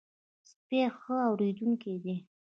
سپي ښه اورېدونکي دي.